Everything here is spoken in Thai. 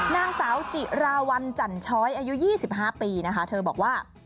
นางสาวจิราวัลจันช้อยอายุ๒๕ปีนะคะเธอบอกว่า